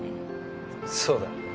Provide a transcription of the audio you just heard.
そうだ。